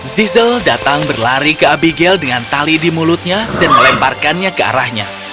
zizzle datang berlari ke abigail dengan tali di mulutnya dan melemparkannya ke arahnya